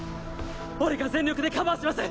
俺が全力でカバーします！